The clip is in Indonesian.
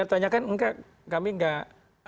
ditanyakan enggak kami enggak